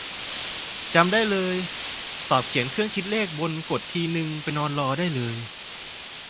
จำได้เลย สอบเขียนเครื่องคิดเลขบน กด ทีนึงไปนอนรอได้เลย